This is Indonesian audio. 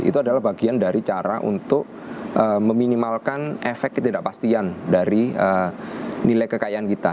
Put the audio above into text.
itu adalah bagian dari cara untuk meminimalkan efek ketidakpastian dari nilai kekayaan kita